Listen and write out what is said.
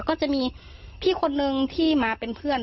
ก็จะมีพี่คนนึงที่มาเป็นเพื่อน